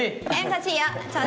em chào chị ạ